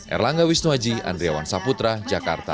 erlangga wisnuaji andriawan saputra jakarta